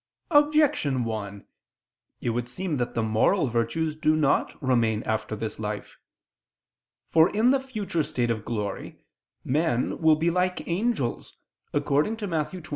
Objection 1: It would seem that the moral virtues do not remain after this life. For in the future state of glory men will be like angels, according to Matt. 22:30.